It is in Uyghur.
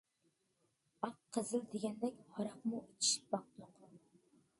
ئاق، قىزىل دېگەندەك ھاراقمۇ ئىچىشىپ باقتۇق.